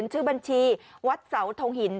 ชื่อบัญชีวัดเสาทงหิน